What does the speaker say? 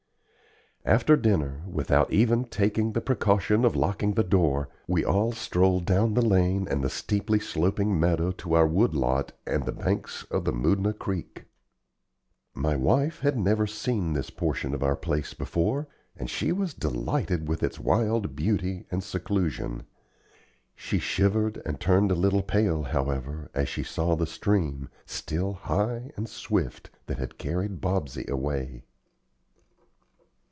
After dinner, without even taking the precaution of locking the door, we all strolled down the lane and the steeply sloping meadow to our wood lot and the banks of the Moodna Creek. My wife had never seen this portion of our place before, and she was delighted with its wild beauty and seclusion. She shivered and turned a little pale, however, as she saw the stream, still high and swift, that had carried Bobsey away.